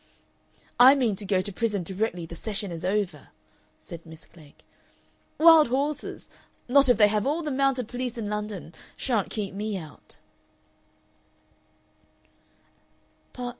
"I mean to go to prison directly the session is over," said Miss Klegg. "Wild horses not if they have all the mounted police in London shan't keep me out."